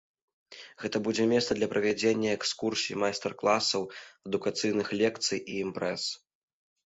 Гэта будзе месца для правядзення экскурсій, майстар-класаў, адукацыйных лекцый і імпрэз.